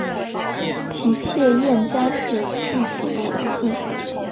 其妾燕佳氏亦服毒自尽。